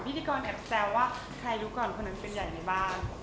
พิธีกรแอบแซวว่าใครรู้ก่อนคนนั้นเป็นใหญ่ในบ้าน